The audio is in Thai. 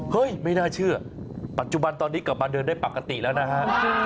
ไม่น่าเชื่อปัจจุบันตอนนี้กลับมาเดินได้ปกติแล้วนะฮะ